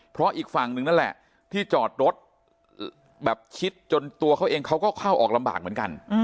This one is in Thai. เพราะอีกฝั่งหนึ่งนั่นแหละที่จอดรถแบบชิดจนตัวเขาเองเขาก็เข้าออกลำบากเหมือนกัน